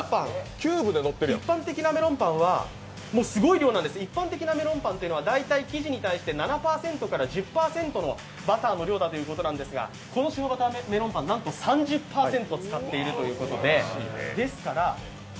もうすごい綾南です、一般的なメロンパンというのは大体生地に対して、７％から１０％のバターの量だということなんですがこの塩バターメロンパン、なんと３０％使っているということで。